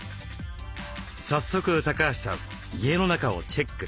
早速橋さん家の中をチェック。